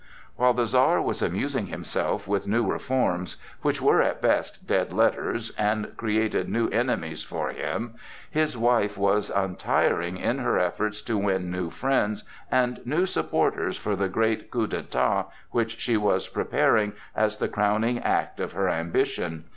While the Czar was amusing himself with new reforms which were at best dead letters and created new enemies for him, his wife was untiring in her efforts to win new friends and new supporters for the great coup d'état which she was preparing as the crowning act of her ambition.